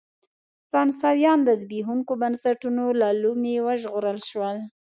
فرانسویان د زبېښونکو بنسټونو له لومې وژغورل شول.